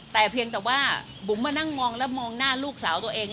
แต่เพียงแต่ว่าบุ๋มมานั่งมองแล้วมองหน้าลูกสาวตัวเอง